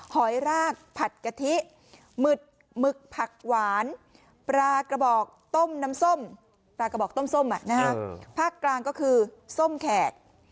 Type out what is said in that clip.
หอยรากผัดกะทีหมึกผักหวานปลากระบอกต้มน้ำส้มพักกลางก็คือส้มแขก